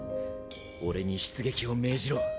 俺に出撃を命じろ。